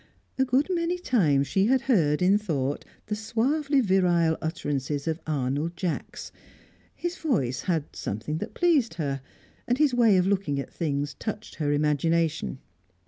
A good many times she had heard in thought the suavely virile utterances of Arnold Jacks; his voice had something that pleased her, and his way of looking at things touched her imagination.